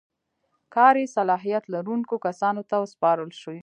کار یې د صلاحیت لرونکو کسانو ته وسپارل شي.